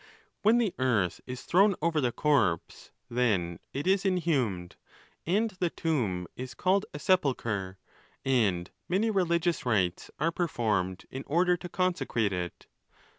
When the earth is thrown over the corpse, then it is inhumed, and. the tomb is called a sepulchre, and many religious rites are performed in order to consecrate it.